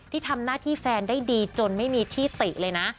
ที่ทำหน้าที่แฟนได้ดีจนไม่มีที่ติเลยนะ